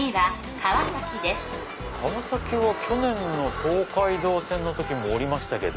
川崎は去年の東海道線の時も降りましたけど。